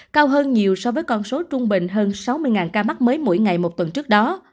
cao hơn nhiều so với con số trung bình hơn sáu mươi ca mắc mới mỗi ngày một tuần trước đó